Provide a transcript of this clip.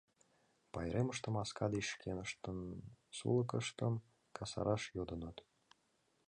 Пайремыште маска деч шкеныштын сулыкыштым касараш йодыныт.